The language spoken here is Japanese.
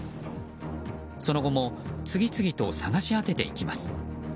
その後も次々と探し当てていきます。